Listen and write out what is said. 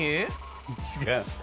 違う。